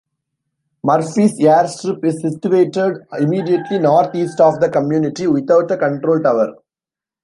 Murphy's airstrip is situated immediately northeast of the community, without a control tower.